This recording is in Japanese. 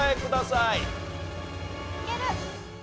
いける！